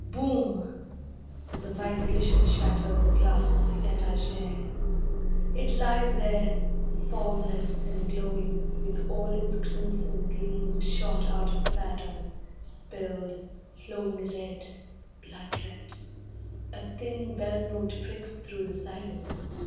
Boom! The vibration shatters a glass on the 'etagere'. It lies there, formless and glowing, with all its crimson gleams shot out of pattern, spilled, flowing red, blood red. A thin bell note pricks through the silence.